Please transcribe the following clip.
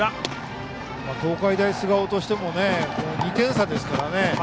東海大菅生としても２点差ですからね。